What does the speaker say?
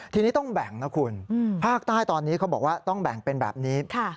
ทีนี้ต้องแบ่งนะคุณภาคใต้ตอนนี้เขาบอกว่าต้องแบ่งเป็นแบบนี้